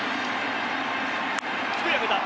すくい上げた。